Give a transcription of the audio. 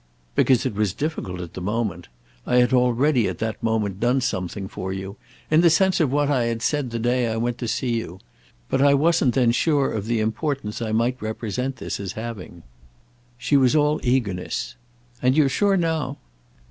"Because it was difficult at the moment. I had already at that moment done something for you, in the sense of what I had said the day I went to see you; but I wasn't then sure of the importance I might represent this as having." She was all eagerness. "And you're sure now?"